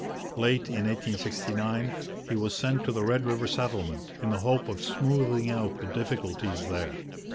Late in 1869 he was sent to the Red River Settlement, in the hope of smoothing out the difficulties there.